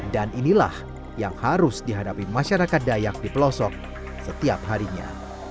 dan inilah yang harus dihadapi masyarakat dayak di pelosok setiap harinya